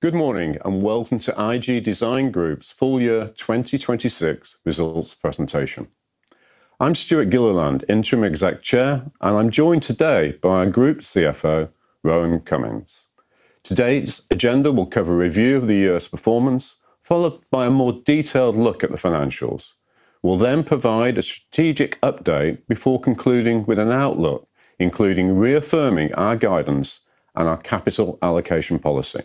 Good morning, welcome to IG Design Group's full-year 2026 results presentation. I'm Stewart Gilliland, Interim Exec Chair, and I'm joined today by our Group CFO, Rohan Cummings. Today's agenda will cover a review of the year's performance, followed by a more detailed look at the financials. We'll provide a strategic update before concluding with an outlook, including reaffirming our guidance and our capital allocation policy.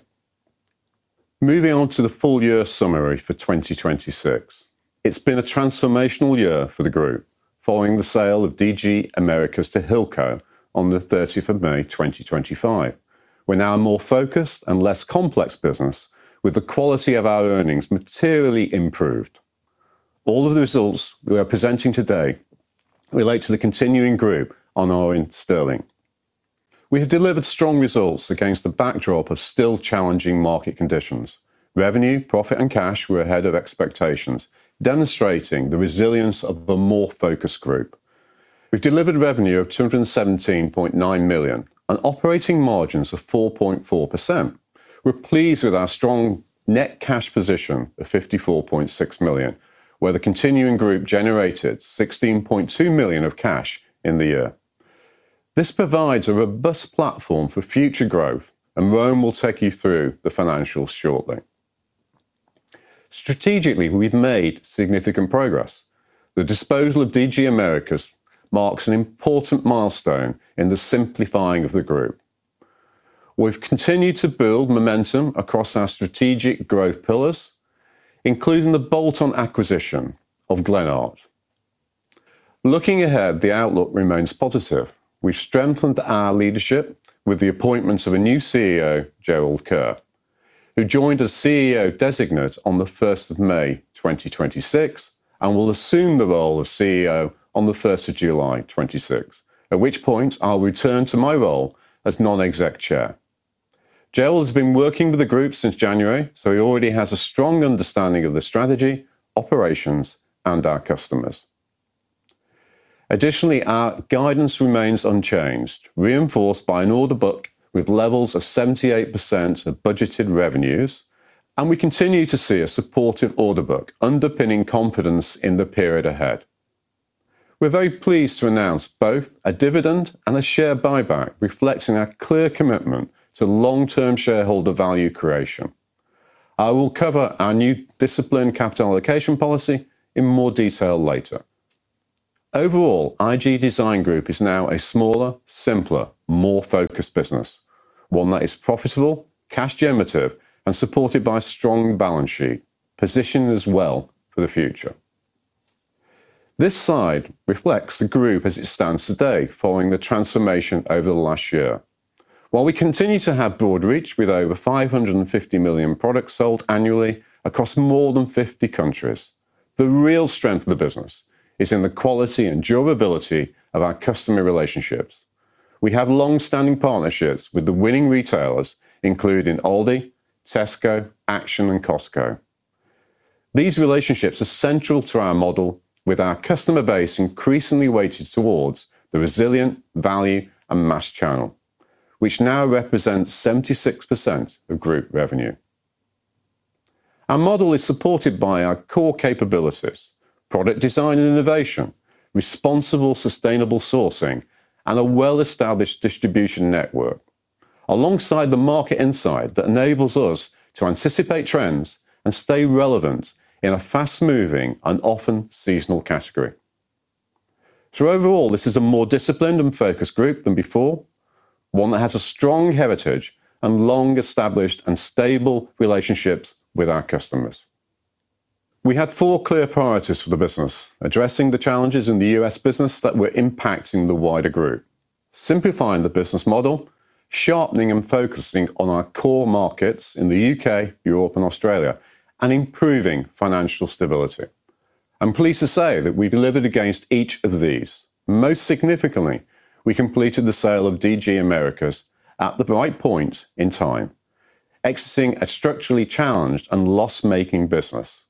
Moving on to the full year summary for 2026. It's been a transformational year for the Group, following the sale of DG Americas to Hilco on the 30th of May 2025. We're now a more focused and less complex business, with the quality of our earnings materially improved. All of the results we are presenting today relate to the continuing Group in GBP. We have delivered strong results against the backdrop of still challenging market conditions. Revenue, profit, and cash were ahead of expectations, demonstrating the resilience of the more focused Group. We've delivered revenue of 217.9 million on operating margins of 4.4%. We're pleased with our strong net cash position of 54.6 million, where the continuing Group generated 16.2 million of cash in the year. This provides a robust platform for future growth, and Rohan will take you through the financials shortly. Strategically, we've made significant progress. The disposal of DG Americas marks an important milestone in the simplifying of the Group. We've continued to build momentum across our strategic growth pillars, including the bolt-on acquisition of Glenart. Looking ahead, the outlook remains positive. We've strengthened our leadership with the appointment of a new CEO, Gerald Kuehr, who joined as CEO Designate on the 1st of May 2026, and will assume the role of CEO on the 1st of July 2026, at which point I'll return to my role as Non-Exec Chair. Gerald has been working with the Group since January, so he already has a strong understanding of the strategy, operations, and our customers. Our guidance remains unchanged, reinforced by an order book with levels of 78% of budgeted revenues, and we continue to see a supportive order book underpinning confidence in the period ahead. We're very pleased to announce both a dividend and a share buyback, reflecting our clear commitment to long-term shareholder value creation. I will cover our new disciplined capital allocation policy in more detail later. IG Design Group is now a smaller, simpler, more focused business, one that is profitable, cash generative, and supported by a strong balance sheet, positioned as well for the future. This slide reflects the Group as it stands today, following the transformation over the last year. While we continue to have broad reach with over 550 million products sold annually across more than 50 countries, the real strength of the business is in the quality and durability of our customer relationships. We have longstanding partnerships with the winning retailers, including Aldi, Tesco, Action, and Costco. These relationships are central to our model, with our customer base increasingly weighted towards the resilient value and mass channel, which now represents 76% of Group revenue. Our model is supported by our core capabilities, product design and innovation, responsible sustainable sourcing, and a well-established distribution network, alongside the market insight that enables us to anticipate trends and stay relevant in a fast-moving and often seasonal category. Overall, this is a more disciplined and focused group than before, one that has a strong heritage and long-established and stable relationships with our customers. We had four clear priorities for the business: addressing the challenges in the U.S. business that were impacting the wider group, simplifying the business model, sharpening and focusing on our core markets in the U.K., Europe, and Australia, and improving financial stability. I'm pleased to say that we delivered against each of these. Most significantly, we completed the sale of DG Americas at the right point in time, exiting a structurally challenged and loss-making business.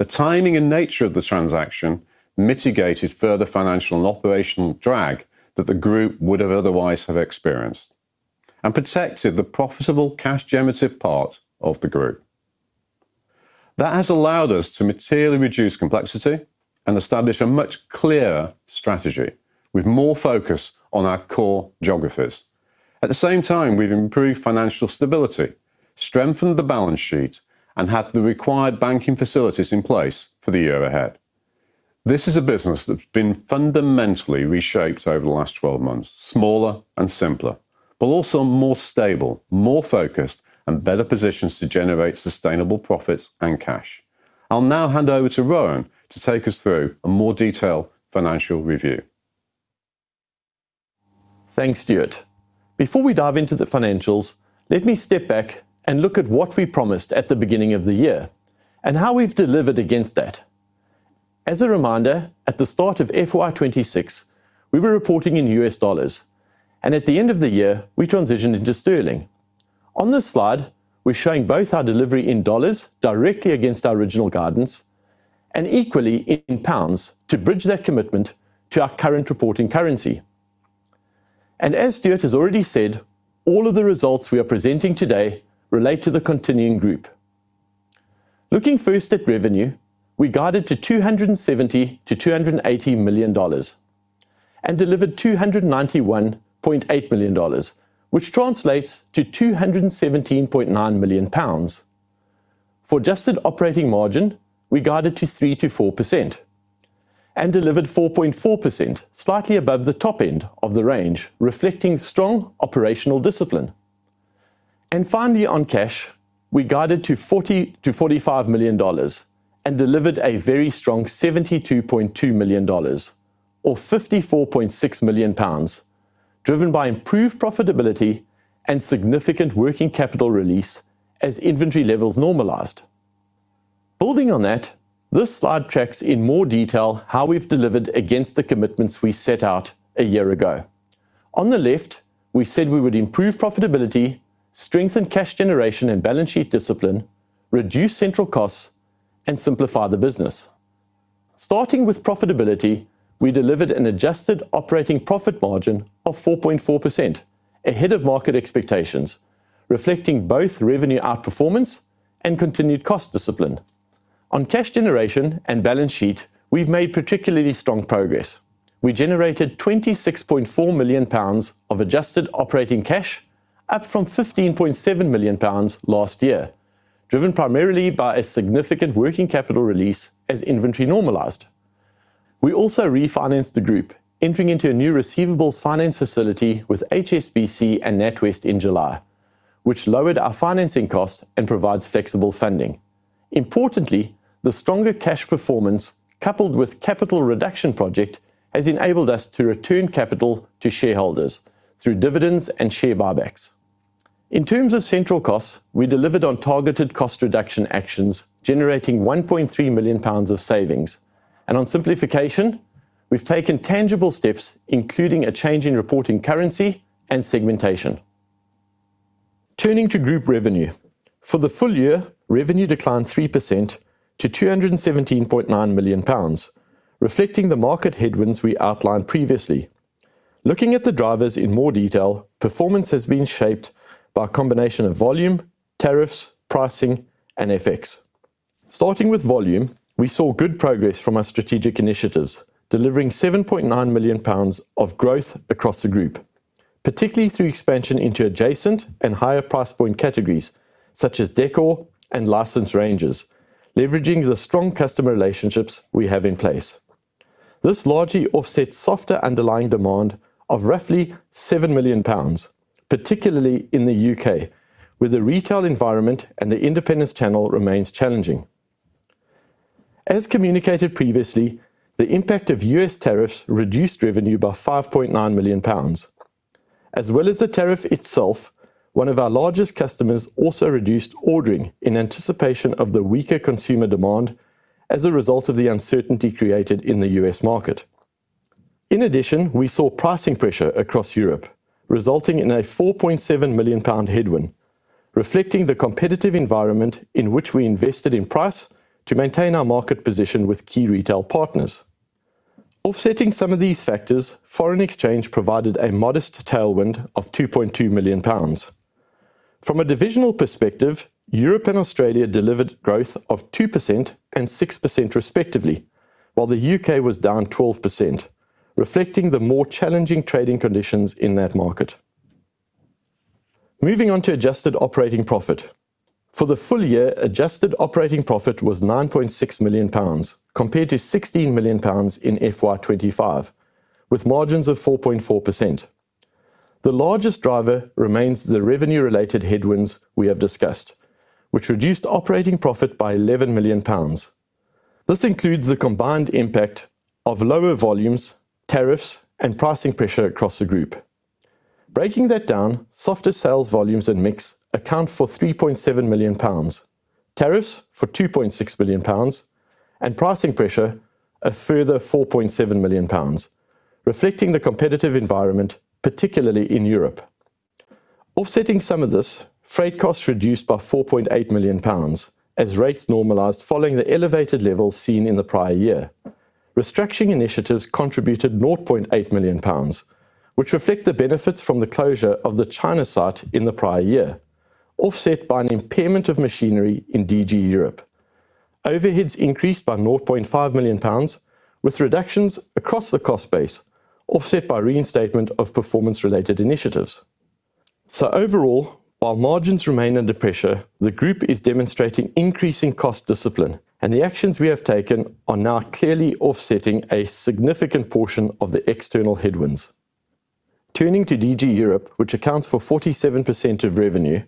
The timing and nature of the transaction mitigated further financial and operational drag that the group would otherwise have experienced and protected the profitable cash generative part of the group. That has allowed us to materially reduce complexity and establish a much clearer strategy with more focus on our core geographies. At the same time, we've improved financial stability, strengthened the balance sheet, and have the required banking facilities in place for the year ahead. This is a business that's been fundamentally reshaped over the last 12 months, smaller and simpler, but also more stable, more focused, and better positioned to generate sustainable profits and cash. I'll now hand over to Rohan to take us through a more detailed financial review. Thanks, Stewart. Before we dive into the financials, let me step back and look at what we promised at the beginning of the year and how we've delivered against that. As a reminder, at the start of FY 2026, we were reporting in U.S. dollars, and at the end of the year, we transitioned into sterling. On this slide, we're showing both our delivery in dollars directly against our original guidance, and equally in pounds to bridge that commitment to our current reporting currency. As Stewart has already said, all of the results we are presenting today relate to the continuing group. Looking first at revenue, we guided to $270 million-$280 million and delivered $291.8 million, which translates to 217.9 million pounds. For adjusted operating margin, we guided to 3%-4% and delivered 4.4%, slightly above the top end of the range, reflecting strong operational discipline. Finally, on cash, we guided to $40 million-$45 million and delivered a very strong $72.2 million or 54.6 million pounds, driven by improved profitability and significant working capital release as inventory levels normalized. Building on that, this slide tracks in more detail how we've delivered against the commitments we set out a year ago. On the left, we said we would improve profitability, strengthen cash generation and balance sheet discipline, reduce central costs, and simplify the business. Starting with profitability, we delivered an adjusted operating profit margin of 4.4%, ahead of market expectations, reflecting both revenue outperformance and continued cost discipline. On cash generation and balance sheet, we've made particularly strong progress. We generated 26.4 million pounds of adjusted operating cash, up from 15.7 million pounds last year, driven primarily by a significant working capital release as inventory normalized. We also refinanced the group, entering into a new receivables finance facility with HSBC and NatWest in July, which lowered our financing cost and provides flexible funding. Importantly, the stronger cash performance, coupled with capital reduction project, has enabled us to return capital to shareholders through dividends and share buybacks. In terms of central costs, we delivered on targeted cost reduction actions, generating 1.3 million pounds of savings. On simplification, we've taken tangible steps, including a change in reporting currency and segmentation. Turning to group revenue. For the full year, revenue declined 3% to 217.9 million pounds, reflecting the market headwinds we outlined previously. Looking at the drivers in more detail, performance has been shaped by a combination of volume, tariffs, pricing, and FX. Starting with volume, we saw good progress from our strategic initiatives, delivering 7.9 million pounds of growth across the group, particularly through expansion into adjacent and higher price point categories such as decor and license ranges, leveraging the strong customer relationships we have in place. This largely offsets softer underlying demand of roughly 7 million pounds, particularly in the U.K., where the retail environment and the independence channel remains challenging. As communicated previously, the impact of U.S. tariffs reduced revenue by 5.9 million pounds. As well as the tariff itself, one of our largest customers also reduced ordering in anticipation of the weaker consumer demand as a result of the uncertainty created in the U.S. market. In addition, we saw pricing pressure across Europe, resulting in a 4.7 million pound headwind, reflecting the competitive environment in which we invested in price to maintain our market position with key retail partners. Offsetting some of these factors, foreign exchange provided a modest tailwind of 2.2 million pounds. From a divisional perspective, Europe and Australia delivered growth of 2% and 6% respectively, while the U.K. was down 12%, reflecting the more challenging trading conditions in that market. Moving on to adjusted operating profit. For the full-year, adjusted operating profit was 9.6 million pounds compared to 16 million pounds in FY 2025, with margins of 4.4%. The largest driver remains the revenue-related headwinds we have discussed, which reduced operating profit by 11 million pounds. This includes the combined impact of lower volumes, tariffs, and pricing pressure across the group. Breaking that down, softer sales volumes and mix account for 3.7 million pounds, tariffs for 2.6 million pounds, and pricing pressure a further 4.7 million pounds, reflecting the competitive environment, particularly in Europe. Offsetting some of this, freight costs reduced by 4.8 million pounds as rates normalized following the elevated levels seen in the prior year. Restructuring initiatives contributed 0.8 million pounds, which reflect the benefits from the closure of the China site in the prior year, offset by an impairment of machinery in DG Europe. Overheads increased by 0.5 million pounds, with reductions across the cost base offset by reinstatement of performance-related initiatives. Overall, while margins remain under pressure, the group is demonstrating increasing cost discipline, the actions we have taken are now clearly offsetting a significant portion of the external headwinds. Turning to DG Europe, which accounts for 47% of revenue,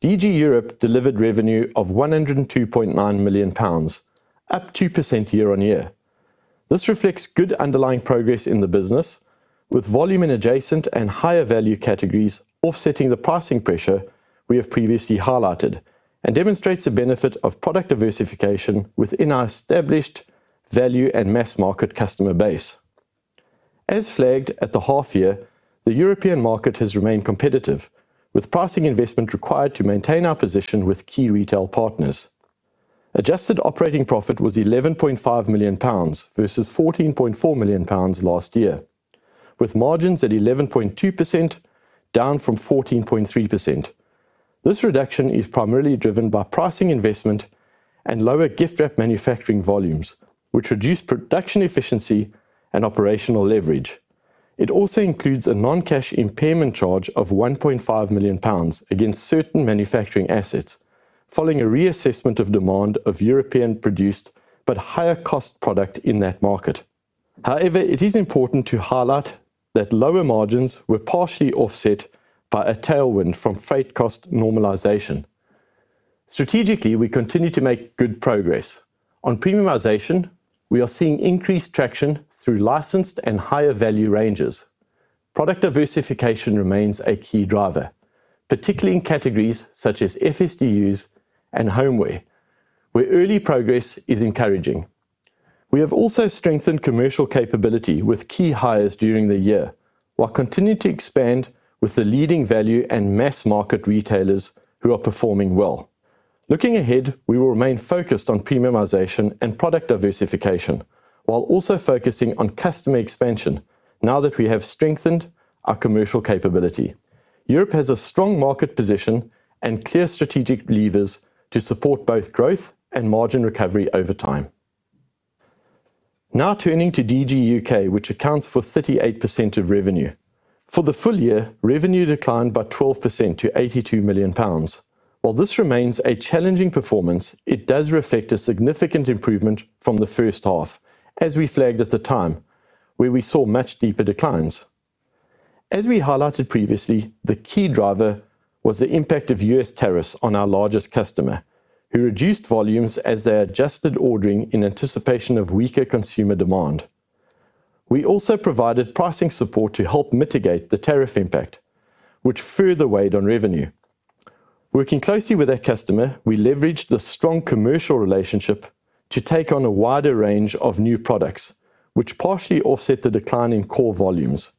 DG Europe delivered revenue of 102.9 million pounds, up 2% year-over-year. This reflects good underlying progress in the business, with volume in adjacent and higher value categories offsetting the pricing pressure we have previously highlighted and demonstrates the benefit of product diversification within our established value and mass market customer base. As flagged at the half year, the European market has remained competitive, with pricing investment required to maintain our position with key retail partners. Adjusted operating profit was 11.5 million pounds versus 14.4 million pounds last year, with margins at 11.2%, down from 14.3%. This reduction is primarily driven by pricing investment and lower gift wrap manufacturing volumes, which reduce production efficiency and operational leverage. It also includes a non-cash impairment charge of 1.5 million pounds against certain manufacturing assets, following a reassessment of demand of European produced, but higher cost product in that market. It is important to highlight that lower margins were partially offset by a tailwind from freight cost normalization. Strategically, we continue to make good progress. On premiumization, we are seeing increased traction through licensed and higher value ranges. Product diversification remains a key driver, particularly in categories such as FSDUs and homeware, where early progress is encouraging. We have also strengthened commercial capability with key hires during the year, while continuing to expand with the leading value and mass market retailers who are performing well. Looking ahead, we will remain focused on premiumization and product diversification while also focusing on customer expansion now that we have strengthened our commercial capability. Europe has a strong market position and clear strategic levers to support both growth and margin recovery over time. Now turning to DG UK, which accounts for 38% of revenue. For the full year, revenue declined by 12% to 82 million pounds. While this remains a challenging performance, it does reflect a significant improvement from the first half, as we flagged at the time, where we saw much deeper declines. As we highlighted previously, the key driver was the impact of U.S. tariffs on our largest customer, who reduced volumes as they adjusted ordering in anticipation of weaker consumer demand. We also provided pricing support to help mitigate the tariff impact, which further weighed on revenue. Working closely with that customer, we leveraged the strong commercial relationship to take on a wider range of new products, which partially offset the decline in core volumes.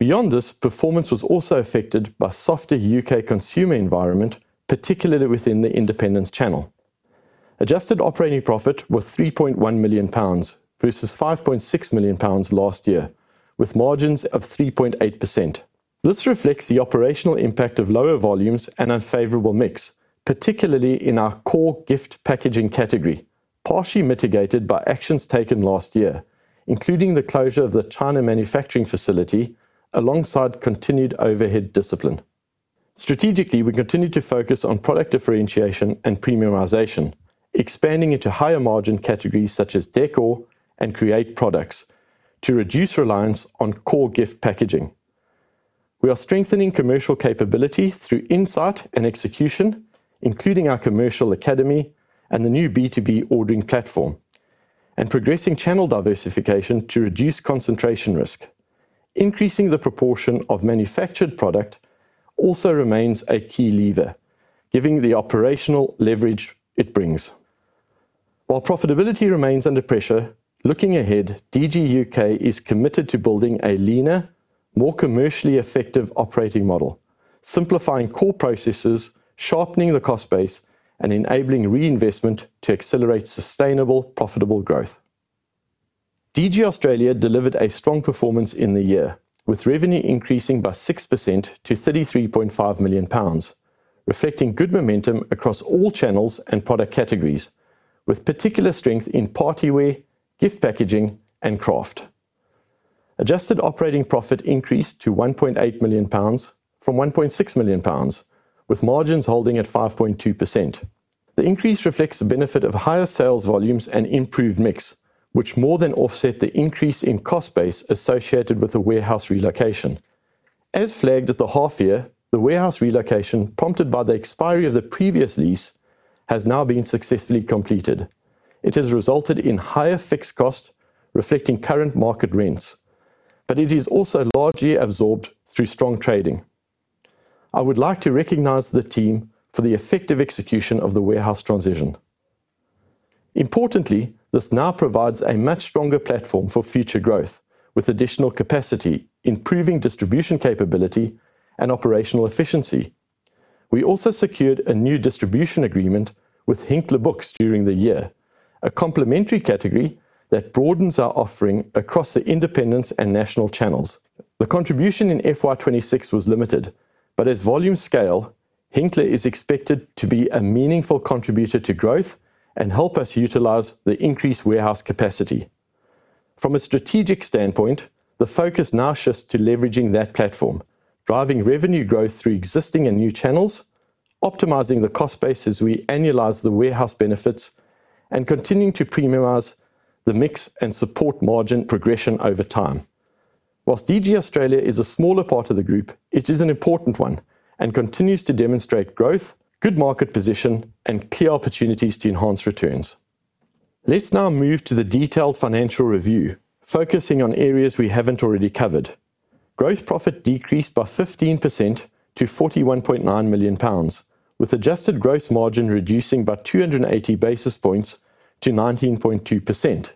Beyond this, performance was also affected by softer U.K. consumer environment, particularly within the independence channel. Adjusted operating profit was 3.1 million pounds versus 5.6 million pounds last year, with margins of 3.8%. This reflects the operational impact of lower volumes and unfavorable mix, particularly in our core gift packaging category, partially mitigated by actions taken last year, including the closure of the China manufacturing facility alongside continued overhead discipline. Strategically, we continue to focus on product differentiation and premiumization, expanding into higher margin categories such as decor and craft products to reduce reliance on core gift packaging. We are strengthening commercial capability through insight and execution, including our commercial academy and the new B2B ordering platform, and progressing channel diversification to reduce concentration risk. Increasing the proportion of manufactured product also remains a key lever, giving the operational leverage it brings. While profitability remains under pressure, looking ahead, DG UK is committed to building a leaner, more commercially effective operating model, simplifying core processes, sharpening the cost base, and enabling reinvestment to accelerate sustainable, profitable growth. DG Australia delivered a strong performance in the year, with revenue increasing by 6% to 33.5 million pounds, reflecting good momentum across all channels and product categories, with particular strength in party wear, gift packaging, and craft. Adjusted operating profit increased to 1.8 million pounds from 1.6 million pounds, with margins holding at 5.2%. The increase reflects the benefit of higher sales volumes and improved mix, which more than offset the increase in cost base associated with the warehouse relocation. As flagged at the half year, the warehouse relocation prompted by the expiry of the previous lease has now been successfully completed. It has resulted in higher fixed cost reflecting current market rents, but it is also largely absorbed through strong trading. I would like to recognize the team for the effective execution of the warehouse transition. Importantly, this now provides a much stronger platform for future growth with additional capacity, improving distribution capability, and operational efficiency. We also secured a new distribution agreement with Hinkler Books during the year, a complementary category that broadens our offering across the independents and national channels. The contribution in FY 2026 was limited, but as volume scale, Hinkler is expected to be a meaningful contributor to growth and help us utilize the increased warehouse capacity. From a strategic standpoint, the focus now shifts to leveraging that platform, driving revenue growth through existing and new channels, optimizing the cost base as we annualize the warehouse benefits, and continuing to premiumize the mix and support margin progression over time. Whilst DG Australia is a smaller part of the group, it is an important one and continues to demonstrate growth, good market position, and clear opportunities to enhance returns. Let's now move to the detailed financial review, focusing on areas we haven't already covered. Gross profit decreased by 15% to 41.9 million pounds, with adjusted gross margin reducing by 280 basis points to 19.2%.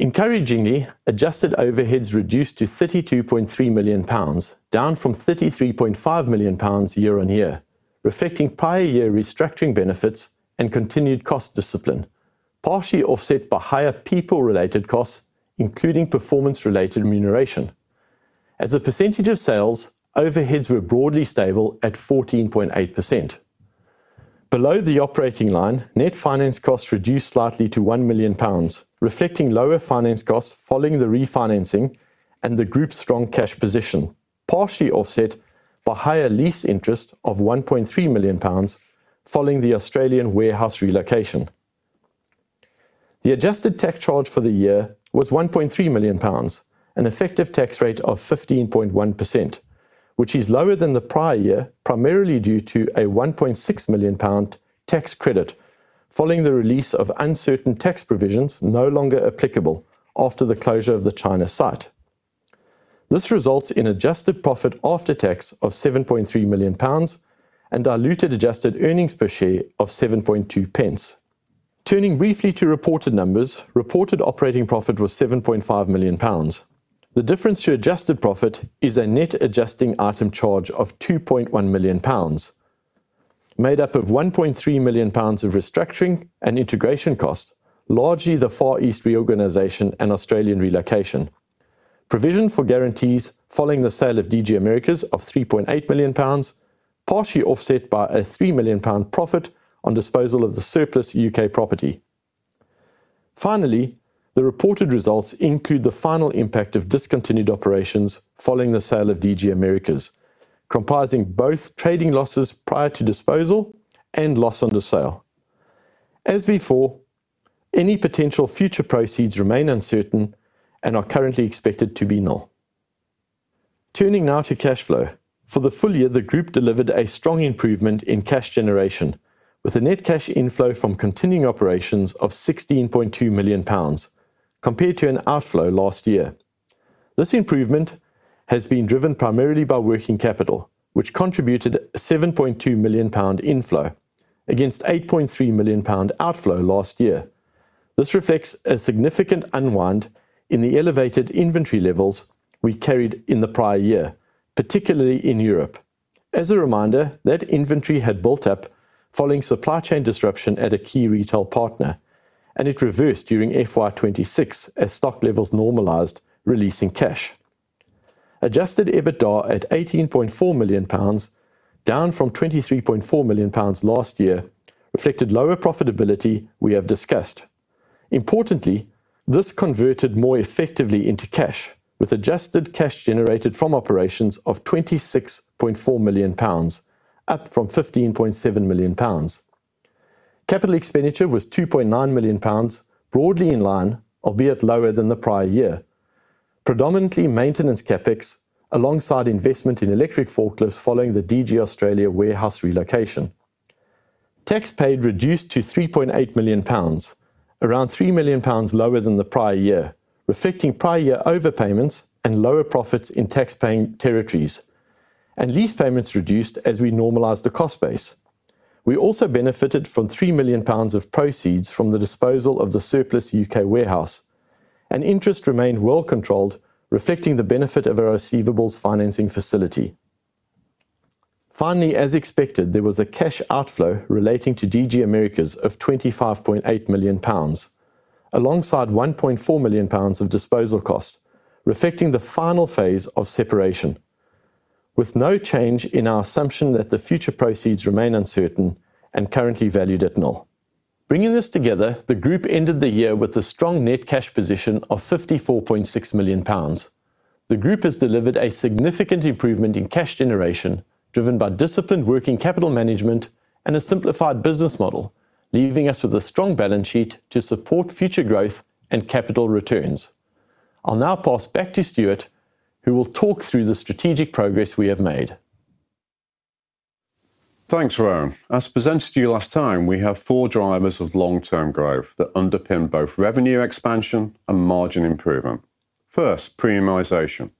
Encouragingly, adjusted overheads reduced to 32.3 million pounds, down from 33.5 million pounds year-on-year, reflecting prior year restructuring benefits and continued cost discipline, partially offset by higher people related costs, including performance related remuneration. As a percentage of sales, overheads were broadly stable at 14.8%. Below the operating line, net finance costs reduced slightly to 1 million pounds, reflecting lower finance costs following the refinancing and the group's strong cash position, partially offset by higher lease interest of 1.3 million pounds following the Australian warehouse relocation. The adjusted tax charge for the year was 1.3 million pounds, an effective tax rate of 15.1%, which is lower than the prior year, primarily due to a 1.6 million pound tax credit following the release of uncertain tax provisions no longer applicable after the closure of the China site. This results in adjusted profit after tax of 7.3 million pounds and diluted adjusted earnings per share of 0.072. Turning briefly to reported numbers, reported operating profit was 7.5 million pounds. The difference to adjusted profit is a net adjusting item charge of 2.1 million pounds, made up of 1.3 million pounds of restructuring and integration cost, largely the Far East reorganization and Australian relocation. Provision for guarantees following the sale of DG Americas of 3.8 million pounds, partially offset by a 3 million pound profit on disposal of the surplus U.K. property. Finally, the reported results include the final impact of discontinued operations following the sale of DG Americas, comprising both trading losses prior to disposal and loss on the sale. As before, any potential future proceeds remain uncertain and are currently expected to be null. Turning now to cash flow. For the full-year, the group delivered a strong improvement in cash generation with a net cash inflow from continuing operations of 16.2 million pounds compared to an outflow last year. This improvement has been driven primarily by working capital, which contributed 7.2 million pound inflow against 8.3 million pound outflow last year. This reflects a significant unwind in the elevated inventory levels we carried in the prior year, particularly in Europe. As a reminder, that inventory had built up following supply chain disruption at a key retail partner, and it reversed during FY 2026 as stock levels normalized, releasing cash. Adjusted EBITDA at 18.4 million pounds, down from 23.4 million pounds last year, reflected lower profitability we have discussed. Importantly, this converted more effectively into cash with adjusted cash generated from operations of 26.4 million pounds, up from 15.7 million pounds. Capital expenditure was 2.9 million pounds, broadly in line, albeit lower than the prior year. Predominantly maintenance CapEx alongside investment in electric forklifts following the DG Australia warehouse relocation. Tax paid reduced to 3.8 million pounds, around 3 million pounds lower than the prior year, reflecting prior year overpayments and lower profits in taxpaying territories, and lease payments reduced as we normalized the cost base. We also benefited from 3 million pounds of proceeds from the disposal of the surplus U.K. warehouse and interest remained well controlled, reflecting the benefit of a receivables financing facility. Finally, as expected, there was a cash outflow relating to DG Americas of 25.8 million pounds, alongside 1.4 million pounds of disposal cost, reflecting the final phase of separation with no change in our assumption that the future proceeds remain uncertain and currently valued at null. Bringing this together, the group ended the year with a strong net cash position of 54.6 million pounds. The group has delivered a significant improvement in cash generation driven by disciplined working capital management and a simplified business model, leaving us with a strong balance sheet to support future growth and capital returns. I'll now pass back to Stewart, who will talk through the strategic progress we have made. Thanks, Rohan. As presented to you last time, we have four drivers of long-term growth that underpin both revenue expansion and margin improvement. First, premiumization.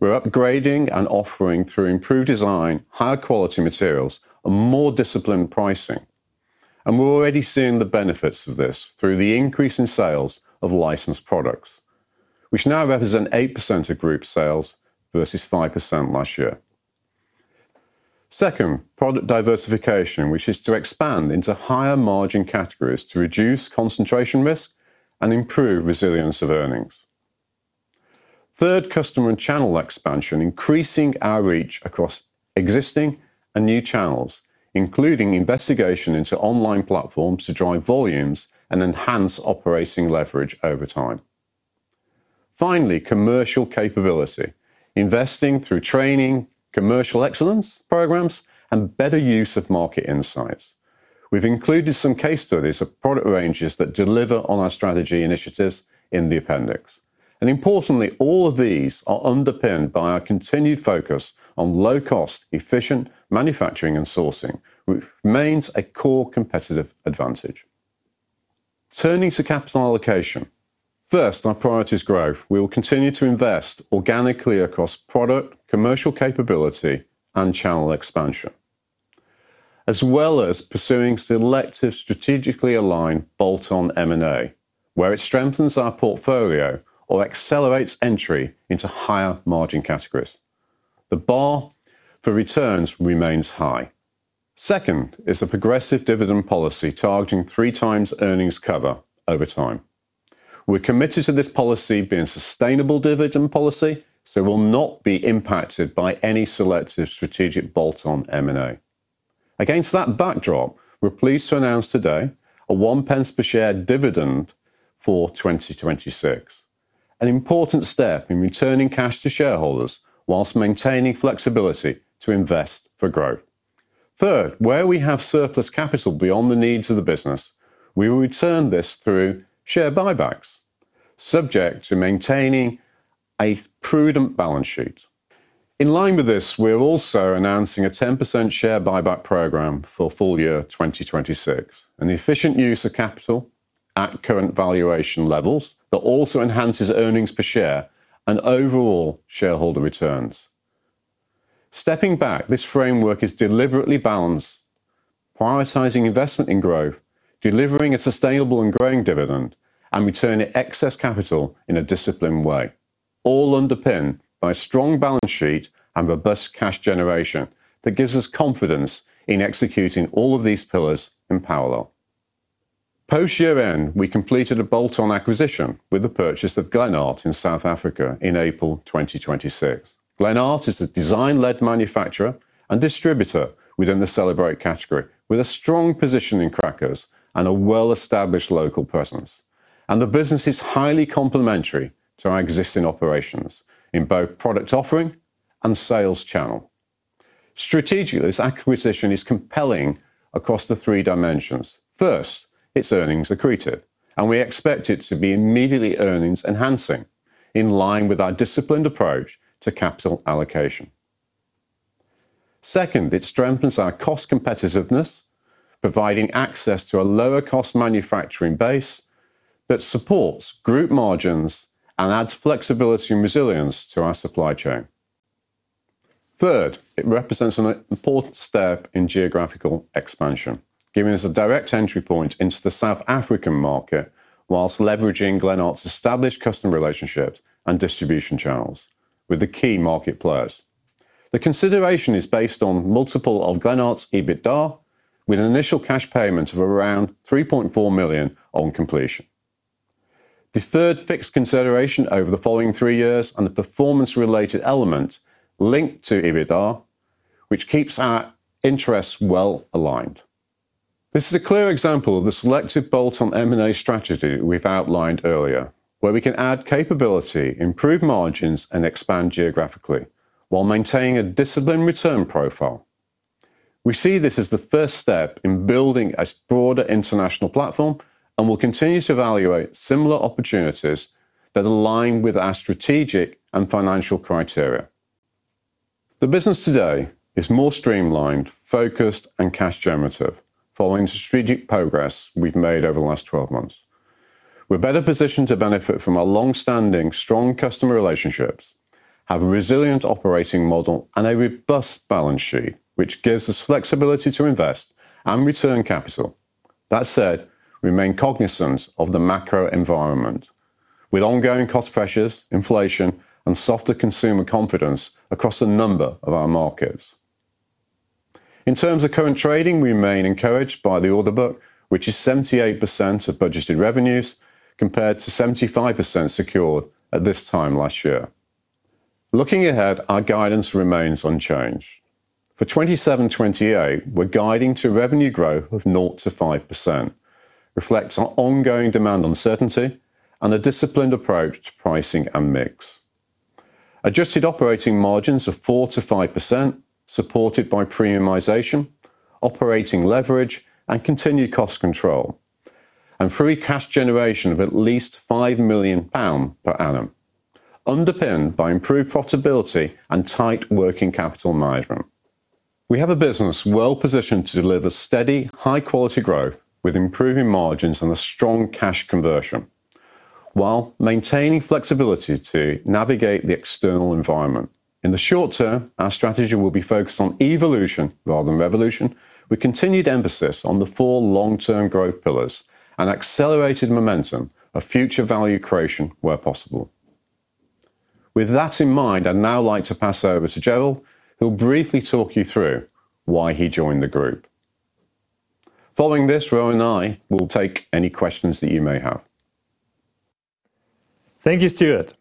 We're upgrading and offering through improved design, higher quality materials, and more disciplined pricing. We're already seeing the benefits of this through the increase in sales of licensed products, which now represent 8% of group sales versus 5% last year. Second, product diversification, which is to expand into higher margin categories to reduce concentration risk and improve resilience of earnings. Third, customer and channel expansion, increasing our reach across existing and new channels, including investigation into online platforms to drive volumes and enhance operating leverage over time. Finally, commercial capability. Investing through training, commercial excellence programs, and better use of market insights. We've included some case studies of product ranges that deliver on our strategy initiatives in the appendix. Importantly, all of these are underpinned by our continued focus on low cost, efficient manufacturing and sourcing, which remains a core competitive advantage. Turning to capital allocation. First, our priority is growth. We will continue to invest organically across product, commercial capability, and channel expansion. As well as pursuing selective, strategically aligned bolt-on M&A, where it strengthens our portfolio or accelerates entry into higher margin categories. The bar for returns remains high. Second is the progressive dividend policy targeting 3x earnings cover over time. We're committed to this policy being sustainable dividend policy, so will not be impacted by any selective strategic bolt-on M&A. Against that backdrop, we're pleased to announce today a 0.01 per share dividend for 2026, an important step in returning cash to shareholders whilst maintaining flexibility to invest for growth. Third, where we have surplus capital beyond the needs of the business, we will return this through share buybacks, subject to maintaining a prudent balance sheet. In line with this, we're also announcing a 10% share buyback program for full-year 2026, an efficient use of capital at current valuation levels that also enhances earnings per share and overall shareholder returns. Stepping back, this framework is deliberately balanced, prioritizing investment in growth, delivering a sustainable and growing dividend, and returning excess capital in a disciplined way, all underpinned by a strong balance sheet and robust cash generation that gives us confidence in executing all of these pillars in parallel. Post year-end, we completed a bolt-on acquisition with the purchase of Glenart in South Africa in April 2026. Glenart is the design-led manufacturer and distributor within the celebrations category with a strong position in crackers and a well-established local presence. The business is highly complementary to our existing operations in both product offering and sales channel. Strategically, this acquisition is compelling across the three dimensions. First, it's earnings accretive, and we expect it to be immediately earnings enhancing in line with our disciplined approach to capital allocation. Second, it strengthens our cost competitiveness, providing access to a lower cost manufacturing base that supports group margins and adds flexibility and resilience to our supply chain. Third, it represents an important step in geographical expansion, giving us a direct entry point into the South African market whilst leveraging Glenart's established customer relationships and distribution channels with the key market players. The consideration is based on multiple of Glenart's EBITDA, with an initial cash payment of around 3.4 million on completion. Deferred fixed consideration over the following three years and the performance related element linked to EBITDA, which keeps our interests well aligned. This is a clear example of the selective bolt-on M&A strategy we've outlined earlier, where we can add capability, improve margins, and expand geographically while maintaining a disciplined return profile. We see this as the first step in building a broader international platform and will continue to evaluate similar opportunities that align with our strategic and financial criteria. The business today is more streamlined, focused, and cash generative following the strategic progress we've made over the last 12 months. We're better positioned to benefit from our long-standing, strong customer relationships, have a resilient operating model and a robust balance sheet, which gives us flexibility to invest and return capital. That said, remain cognizant of the macro environment. With ongoing cost pressures, inflation, and softer consumer confidence across a number of our markets. In terms of current trading, we remain encouraged by the order book, which is 78% of budgeted revenues, compared to 75% secured at this time last year. Looking ahead, our guidance remains unchanged. For 2027-2028, we're guiding to revenue growth of 0%-5%, reflects our ongoing demand uncertainty and a disciplined approach to pricing and mix. Adjusted operating margins of 4%-5%, supported by premiumization, operating leverage, and continued cost control, and free cash generation of at least 5 million pound per annum, underpinned by improved profitability and tight working capital management. We have a business well positioned to deliver steady, high quality growth with improving margins and a strong cash conversion, while maintaining flexibility to navigate the external environment. In the short term, our strategy will be focused on evolution rather than revolution with continued emphasis on the four long-term growth pillars and accelerated momentum of future value creation where possible. With that in mind, I'd now like to pass over to Gerald, who'll briefly talk you through why he joined the group. Following this, Rohan and I will take any questions that you may have. Thank you, Stewart.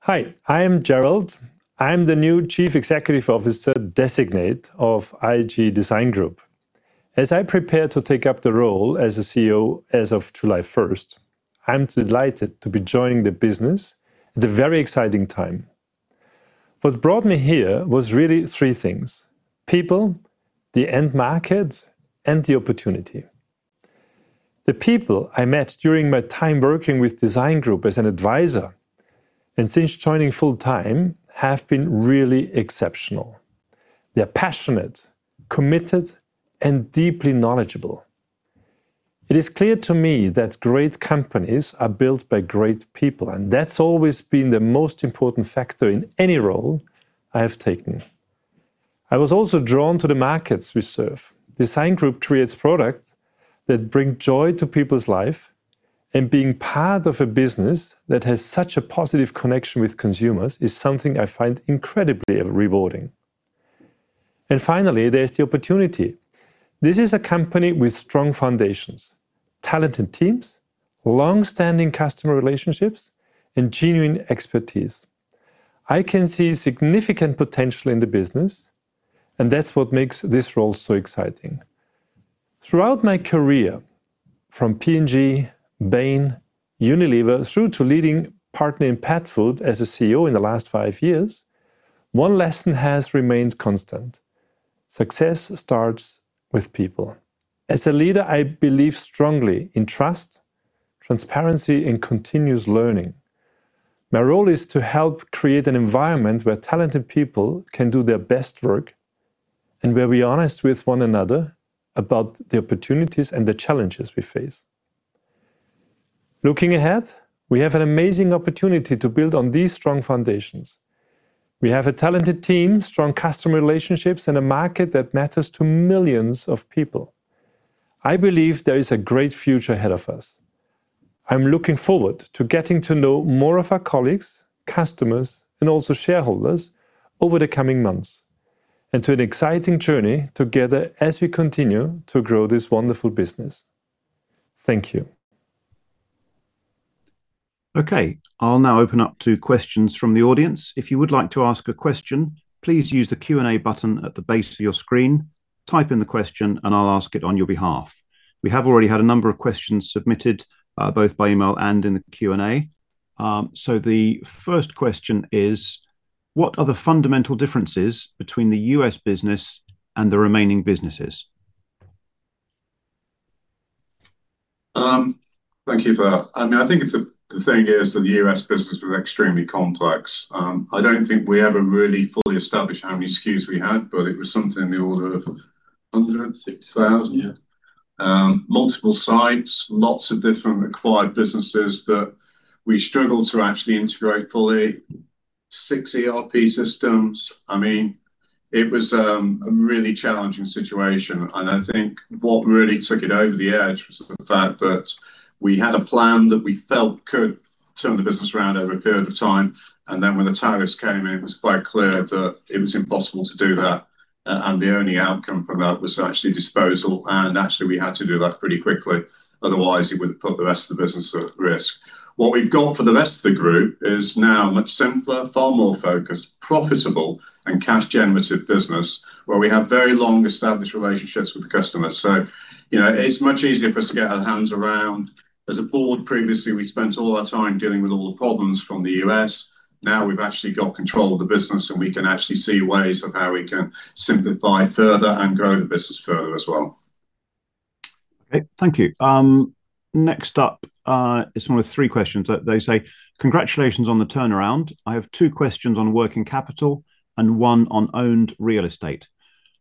Hi, I'm Gerald. I'm the new Chief Executive Officer Designate of IG Design Group. As I prepare to take up the role as the CEO as of July 1st, I'm delighted to be joining the business at a very exciting time. What brought me here was really three things: people, the end market, and the opportunity. The people I met during my time working with Design Group as an advisor and since joining full time have been really exceptional. They're passionate, committed, and deeply knowledgeable. It is clear to me that great companies are built by great people, and that's always been the most important factor in any role I have taken. I was also drawn to the markets we serve. Design Group creates products that bring joy to people's life, and being part of a business that has such a positive connection with consumers is something I find incredibly rewarding. Finally, there's the opportunity. This is a company with strong foundations, talented teams, long-standing customer relationships, and genuine expertise. I can see significant potential in the business, and that's what makes this role so exciting. Throughout my career from P&G, Bain, Unilever, through to leading Partner in Pet Food as a CEO in the last five years, one lesson has remained constant. Success starts with people. As a leader, I believe strongly in trust, transparency, and continuous learning. My role is to help create an environment where talented people can do their best work and where we are honest with one another about the opportunities and the challenges we face. Looking ahead, we have an amazing opportunity to build on these strong foundations. We have a talented team, strong customer relationships, and a market that matters to millions of people. I believe there is a great future ahead of us. I'm looking forward to getting to know more of our colleagues, customers, and also shareholders over the coming months, and to an exciting journey together as we continue to grow this wonderful business. Thank you. Okay. I'll now open up to questions from the audience. If you would like to ask a question, please use the Q&A button at the base of your screen, type in the question, and I'll ask it on your behalf. We have already had a number of questions submitted, both by email and in the Q&A. The first question is: what are the fundamental differences between the U.S. business and the remaining businesses? Thank you for that. I think the thing is that the U.S. business was extremely complex. I don't think we ever really fully established how many SKUs we had, but it was something in the order of 106,000. Yeah. Multiple sites, lots of different acquired businesses that we struggled to actually integrate fully. Six ERP systems. It was a really challenging situation. I think what really took it over the edge was the fact that we had a plan that we felt could turn the business around over a period of time. Then when the tariffs came in, it was quite clear that it was impossible to do that. The only outcome from that was actually disposal. Actually we had to do that pretty quickly, otherwise it would put the rest of the business at risk. What we've got for the rest of the group is now much simpler, far more focused, profitable, and cash generative business where we have very long-established relationships with the customers. It's much easier for us to get our hands around. As a Board previously, we spent all our time dealing with all the problems from the U.S. Now we've actually got control of the business, and we can actually see ways of how we can simplify further and grow the business further as well. Okay. Thank you. Next up, it's one with three questions. They say, congratulations on the turnaround. I have two questions on working capital and one on owned real estate.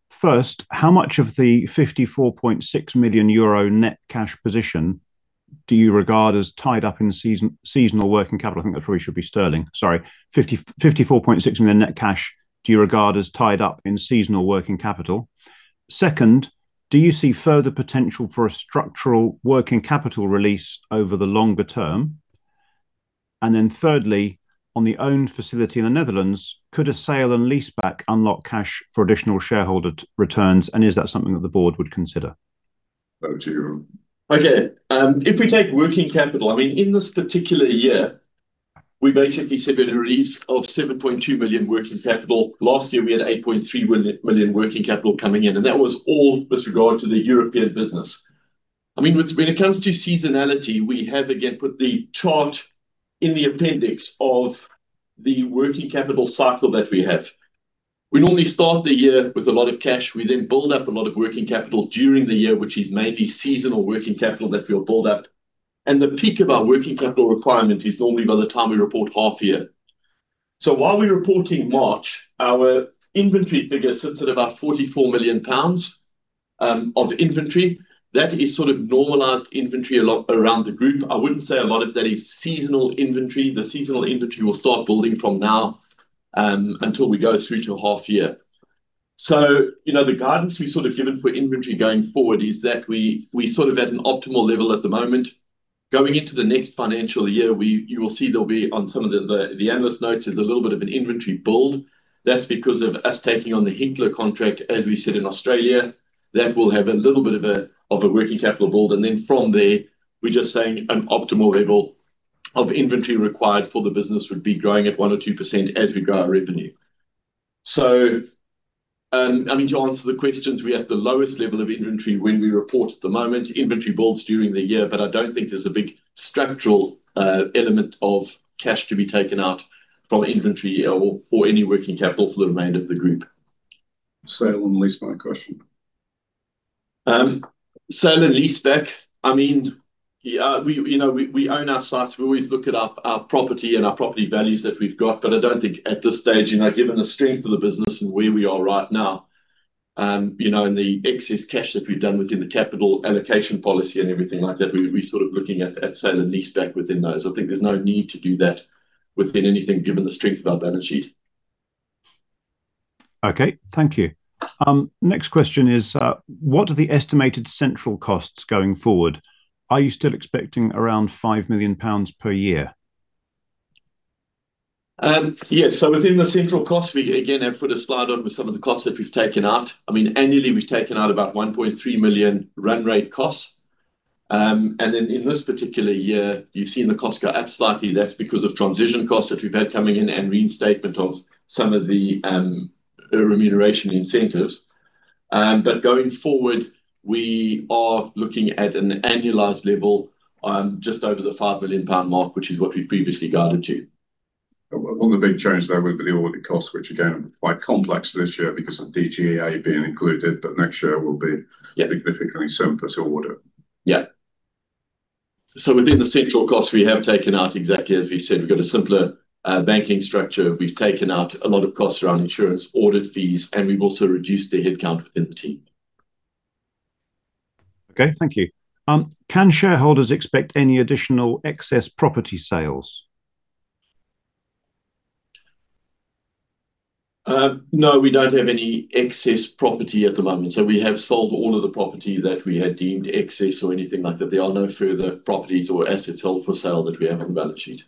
First, how much of the GBP 54.6 million net cash position do you regard as tied up in seasonal working capital? I think that three should be sterling. Sorry, 54.6 million net cash do you regard as tied up in seasonal working capital? Second, do you see further potential for a structural working capital release over the longer term? Thirdly, on the owned facility in the Netherlands, could a sale and lease back unlock cash for additional shareholder returns? Is that something that the Board would consider? Over to you, Rohan. Okay. If we take working capital, in this particular year, we basically said we had a release of 7.2 million working capital. Last year, we had 8.3 million working capital coming in, and that was all with regard to the European business. When it comes to seasonality, we have again put the chart in the appendix of the working capital cycle that we have. We normally start the year with a lot of cash. We then build up a lot of working capital during the year, which is mainly seasonal working capital that we'll build up. The peak of our working capital requirement is normally by the time we report half year. While we're reporting March, our inventory figure sits at about 44 million pounds of inventory. That is sort of normalized inventory a lot around the group. I wouldn't say a lot of that is seasonal inventory. The seasonal inventory will start building from now, until we go through to half year. The guidance we sort of given for inventory going forward is that we're sort of at an optimal level at the moment. Going into the next financial year, you will see there'll be on some of the analyst notes, there's a little bit of an inventory build. That's because of us taking on the Hinkler contract, as we said in Australia. That will have a little bit of a working capital build, and then from there, we're just saying an optimal level of inventory required for the business would be growing at 1% or 2% as we grow our revenue. To answer the questions, we're at the lowest level of inventory when we report at the moment, inventory builds during the year, but I don't think there's a big structural element of cash to be taken out from inventory or any working capital for the remainder of the group. Sale and leaseback question. Sale and leaseback. We own our sites. We always look at our property and our property values that we've got. I don't think at this stage, given the strength of the business and where we are right now, and the excess cash that we've done within the capital allocation policy and everything like that, we're looking at sale and leaseback within those. I think there's no need to do that within anything, given the strength of our balance sheet. Okay, thank you. Next question is, what are the estimated central costs going forward? Are you still expecting around 5 million pounds per year? Within the central cost, we again have put a slide on with some of the costs that we've taken out. Annually, we've taken out about 1.3 million run-rate costs. In this particular year, you've seen the cost go up slightly. That's because of transition costs that we've had coming in and reinstatement of some of the remuneration incentives. Going forward, we are looking at an annualized level on just over the 5 million pound mark, which is what we've previously guided to. On the big change, though, with the audit cost, which again, quite complex this year because of DGEA being included, next year will be- Yeah Significantly simpler to audit. Within the central cost, we have taken out exactly as we said. We've got a simpler banking structure. We've taken out a lot of costs around insurance, audit fees, we've also reduced the headcount within the team. Okay, thank you. Can shareholders expect any additional excess property sales? No, we don't have any excess property at the moment. We have sold all of the property that we had deemed excess or anything like that. There are no further properties or assets held for sale that we have on the balance sheet.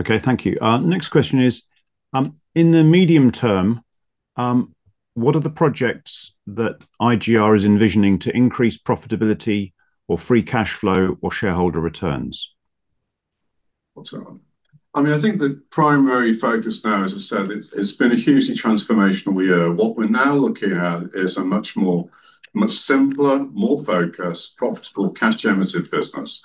Okay, thank you. Next question is, in the medium term, what are the projects that IGR is envisioning to increase profitability or free cash flow or shareholder returns? What's that one? I think the primary focus now, as I said, it's been a hugely transformational year. What we're now looking at is a much simpler, more focused, profitable, cash-generative business.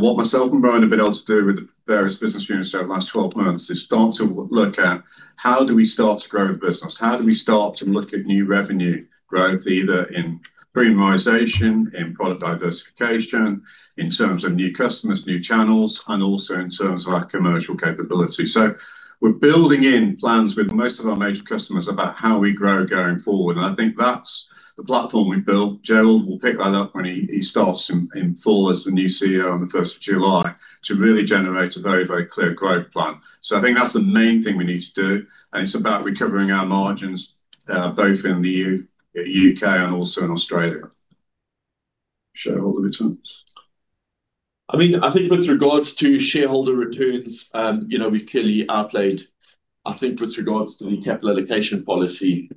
What myself and Brian have been able to do with the various business units over the last 12 months is start to look at how do we start to grow the business? How do we start to look at new revenue growth, either in premiumization, in product diversification, in terms of new customers, new channels, and also in terms of our commercial capability. We're building in plans with most of our major customers about how we grow going forward, and I think that's the platform we've built. Gerald will pick that up when he starts in fall as the new CEO on the 1st of July to really generate a very clear growth plan. I think that's the main thing we need to do, and it's about recovering our margins, both in the U.K. and also in Australia. Shareholder returns. I think with regards to shareholder returns, we've clearly outlaid, I think with regards to the capital allocation policy,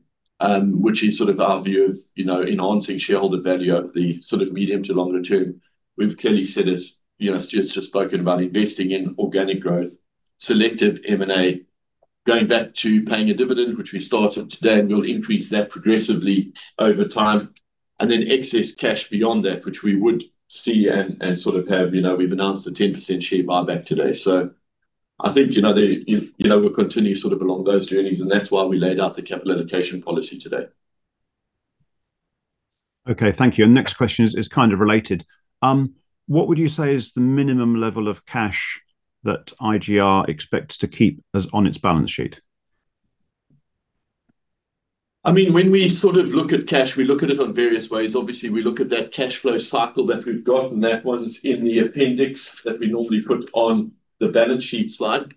which is sort of our view of enhancing shareholder value over the medium to longer term. We've clearly said, as Stewart's just spoken about investing in organic growth, selective M&A, going back to paying a dividend, which we started today, and we'll increase that progressively over time. And then excess cash beyond that, which we would see and sort of have. We've announced a 10% share buyback today. I think we'll continue sort of along those journeys, and that's why we laid out the capital allocation policy today. Okay, thank you. Next question is kind of related. What would you say is the minimum level of cash that IGR expects to keep on its balance sheet? When we look at cash, we look at it on various ways. Obviously, we look at that cash flow cycle that we've got, and that one's in the appendix that we normally put on the balance sheet slide.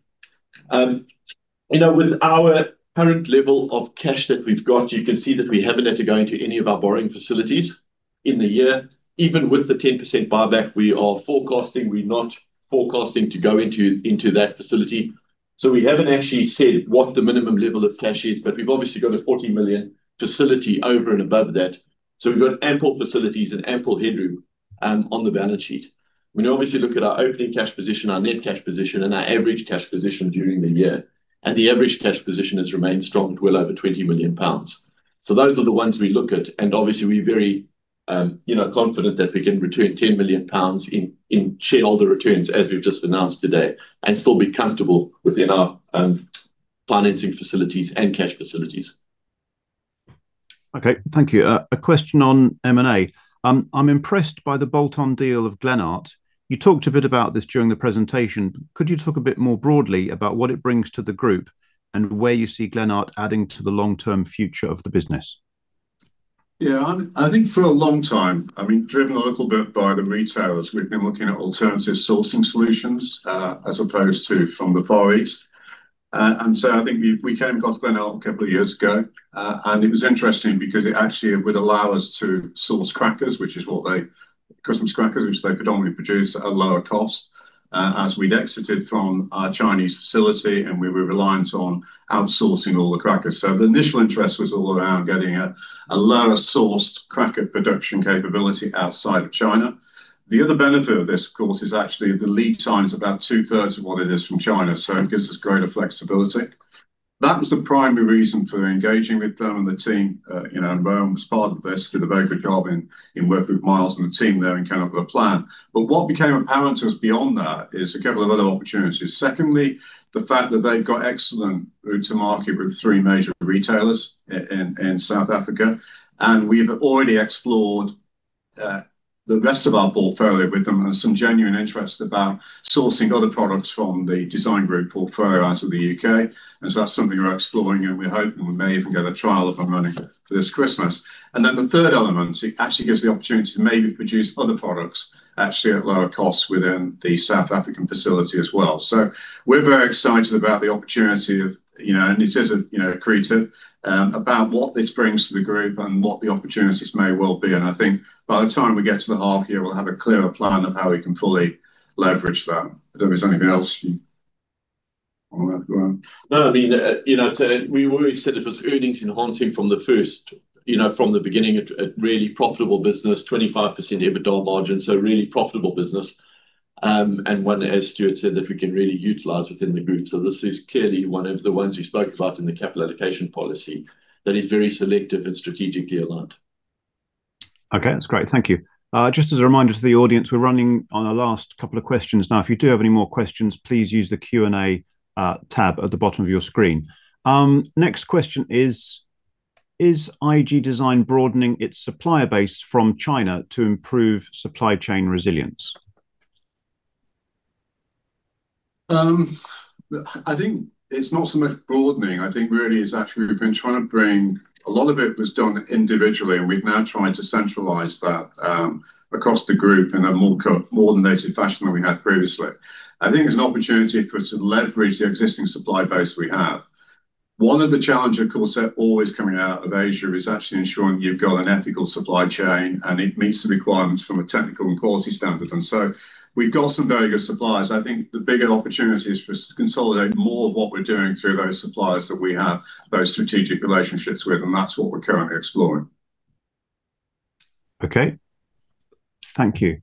With our current level of cash that we've got, you can see that we haven't had to go into any of our borrowing facilities in the year. Even with the 10% buyback we are forecasting, we're not forecasting to go into that facility. We haven't actually said what the minimum level of cash is, but we've obviously got a 40 million facility over and above that. We've got ample facilities and ample headroom on the balance sheet. When you obviously look at our opening cash position, our net cash position, and our average cash position during the year, and the average cash position has remained strong at well over 20 million pounds. Those are the ones we look at, and obviously we're very confident that we can return 10 million pounds in shareholder returns, as we've just announced today, and still be comfortable within our financing facilities and cash facilities. Okay, thank you. A question on M&A. I'm impressed by the bolt-on deal of Glenart. You talked a bit about this during the presentation. Could you talk a bit more broadly about what it brings to the group and where you see Glenart adding to the long-term future of the business? I think for a long time, driven a little bit by the retailers, we've been looking at alternative sourcing solutions, as opposed to from the Far East. I think we came across Glenart a couple of years ago. It was interesting because it actually would allow us to source crackers, Christmas crackers, which they predominantly produce at a lower cost, as we'd exited from our Chinese facility, and we were reliant on outsourcing all the crackers. The initial interest was all around getting a lower-sourced cracker production capability outside of China. The other benefit of this, of course, is actually the lead time is about two-thirds of what it is from China, so it gives us greater flexibility. That was the primary reason for engaging with them and the team. Brian was part of this through the Baker job in working with Miles and the team there and came up with a plan. What became apparent to us beyond that is a couple of other opportunities. Secondly, the fact that they've got excellent route to market with three major retailers in South Africa. We've already explored the rest of our portfolio with them has some genuine interest about sourcing other products from the Design Group portfolio out of the U.K. That's something we're exploring, and we're hoping we may even get a trial up and running for this Christmas. The third element, it actually gives the opportunity to maybe produce other products actually at lower costs within the South African facility as well. We're very excited about the opportunity of, and it is accretive, about what this brings to the group and what the opportunities may well be. I think by the time we get to the half year, we'll have a clearer plan of how we can fully leverage that. I don't know if there's anything else you want to add, Rohan? No. We always said it was earnings enhancing from the beginning, a really profitable business, 25% EBITDA margin, a really profitable business. One, as Stewart said, that we can really utilize within the group. This is clearly one of the ones we spoke about in the capital allocation policy that is very selective and strategically aligned. Okay. That's great. Thank you. Just as a reminder to the audience, we're running on our last couple of questions now. If you do have any more questions, please use the Q&A tab at the bottom of your screen. Next question is, is IG Design broadening its supplier base from China to improve supply chain resilience? I think it's not so much broadening. I think really it's actually we've been trying to bring, a lot of it was done individually, we've now tried to centralize that across the group in a more coordinated fashion than we had previously. I think there's an opportunity for us to leverage the existing supply base we have. One of the challenges, of course, that always coming out of Asia is actually ensuring you've got an ethical supply chain, it meets the requirements from a technical and quality standard. We've got some very good suppliers. I think the bigger opportunity is for us to consolidate more of what we're doing through those suppliers that we have, those strategic relationships with, that's what we're currently exploring. Okay. Thank you.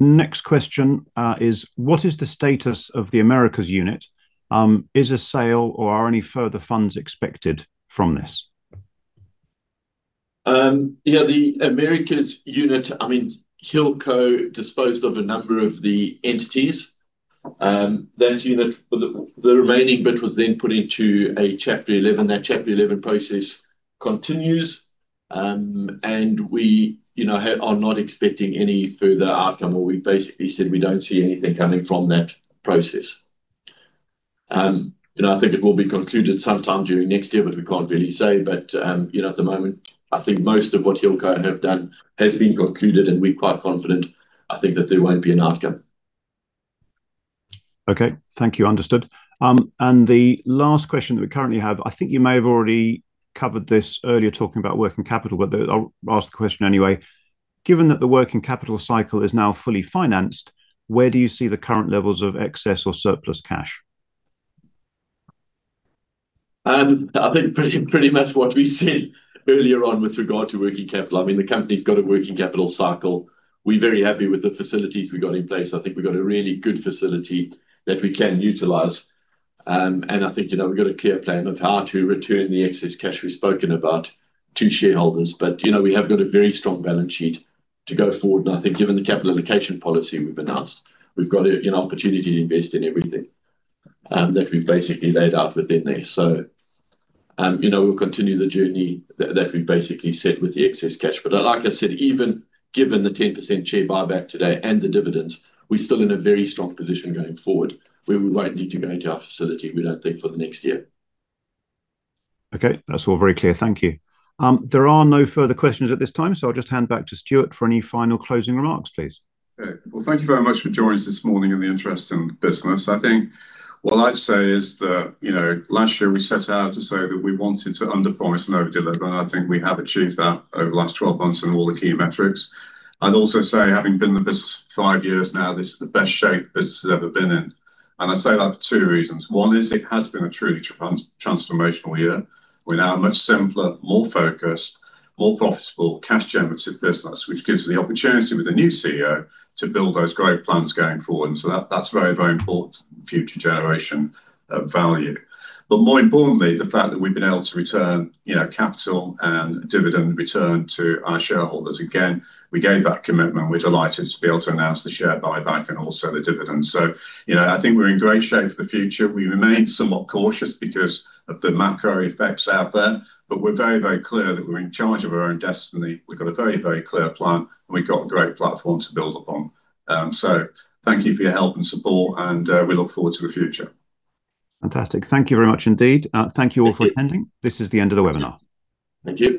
Next question is, what is the status of the Americas unit? Is a sale or are any further funds expected from this? The Americas unit, Hilco disposed of a number of the entities. That unit, the remaining bit was then put into a Chapter 11. That Chapter 11 process continues. We are not expecting any further outcome or we've basically said we don't see anything coming from that process. I think it will be concluded sometime during next year, but we can't really say. At the moment, I think most of what Hilco have done has been concluded, and we're quite confident, I think, that there won't be an outcome. Okay. Thank you. Understood. The last question that we currently have, I think you may have already covered this earlier talking about working capital, I'll ask the question anyway. Given that the working capital cycle is now fully financed, where do you see the current levels of excess or surplus cash? I think pretty much what we said earlier on with regard to working capital. The company's got a working capital cycle. We're very happy with the facilities we got in place. I think we've got a really good facility that we can utilize. I think we've got a clear plan of how to return the excess cash we've spoken about to shareholders. We have got a very strong balance sheet to go forward. I think given the capital allocation policy we've announced, we've got an opportunity to invest in everything that we've basically laid out within there. We'll continue the journey that we basically set with the excess cash. Like I said, even given the 10% share buyback today and the dividends, we're still in a very strong position going forward. We won't need to go into our facility, we don't think, for the next year. Okay. That's all very clear. Thank you. There are no further questions at this time, I'll just hand back to Stewart for any final closing remarks, please. Okay. Well, thank you very much for joining us this morning and the interest in the business. I think what I'd say is that last year we set out to say that we wanted to underpromise and overdeliver, and I think we have achieved that over the last 12 months in all the key metrics. I'd also say, having been in the business for five years now, this is the best shape the business has ever been in. I say that for two reasons. One is it has been a truly transformational year. We're now a much simpler, more focused, more profitable, cash-generative business, which gives the opportunity with a new CEO to build those great plans going forward. That's very, very important for future generation of value. More importantly, the fact that we've been able to return capital and dividend return to our shareholders. Again, we gave that commitment. We're delighted to be able to announce the share buyback and also the dividend. I think we're in great shape for the future. We remain somewhat cautious because of the macro effects out there, but we're very, very clear that we're in charge of our own destiny. We've got a very, very clear plan, and we've got a great platform to build upon. Thank you for your help and support, and we look forward to the future. Fantastic. Thank you very much indeed. Thank you. All for attending. This is the end of the webinar. Thank you.